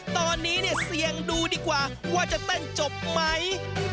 ตอนนี้เนี่ยเสี่ยงดูดีกว่าว่าจะเต้นจบไหม